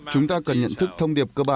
chúng ta cần nhận thức thông điệp cơ bản